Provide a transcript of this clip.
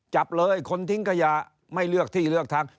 จับเลยคนทิ้งขยะไม่เลือกที่เลือกทาง